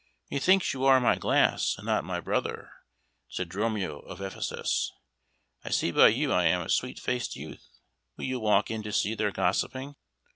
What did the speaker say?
"Methinks you are my glass, and not my brother," said Dromio of Ephesus. "I see by you I am a sweet faced youth. Will you walk in to see their gossiping?"